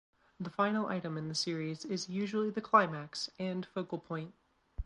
The final item in the series is usually the climax and focal point.